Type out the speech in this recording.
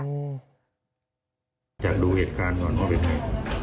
อยากดูเหตุการณ์ก่อนว่าเป็นใคร